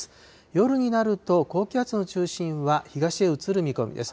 夜になると、高気圧の中心は東へ移る見込みです。